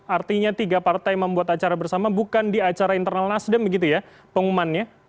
artinya tiga partai membuat acara bersama bukan di acara internal nasdem begitu ya pengumumannya